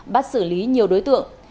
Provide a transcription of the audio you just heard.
bắt xử lý nhiều đối tượng